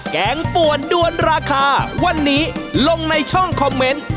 แกงป่วนด้วนราคาวันนี้ลงในช่องคอมเมนต์